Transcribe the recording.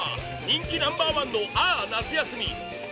人気ナンバー１の「あー夏休み」